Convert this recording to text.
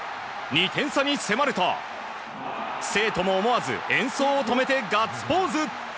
２点差に迫ると生徒も思わず演奏を止めてガッツポーズ！